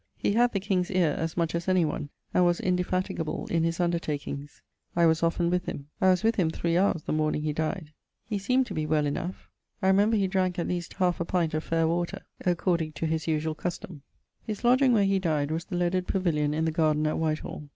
He had the king's eare as much as any one, and was indefatigable in his undertakings. I was often with him. I was with him three houres the morning he dyed; he seemed to be well enough. I remember he dranke at least 1/2 pint of faire water, according to his usuall custome. His lodgeing where he dyed was the leaded pavillion in the garden at Whitehall.